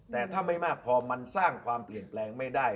แต่ถ้าไม่มากพอมันสร้างความเปลี่ยนแปลงไม่ได้